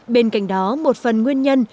bên cạnh đó một phần nguyên nhân